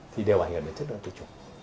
thì đều ảnh hưởng đến chất lượng tinh trùng